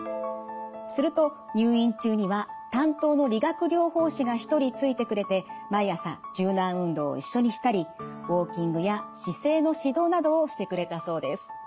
すると入院中には担当の理学療法士が１人ついてくれて毎朝柔軟運動を一緒にしたりウォーキングや姿勢の指導などをしてくれたそうです。